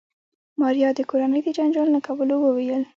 ماريا د کورنۍ د جنجال نه کولو وويل.